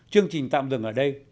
chương trình tạm dừng ở đây